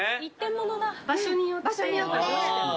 場所によってどうしても。